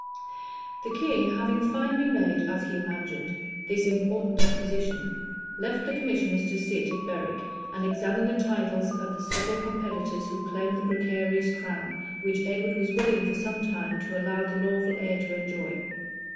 The king, having finally made, as he imagined, this important acquisition, left the commissioners to sit at Berwick, and examine the titles of the several competitors who claimed the precarious crown, which Edward was willing for some time to allow the lawful heir to enjoy.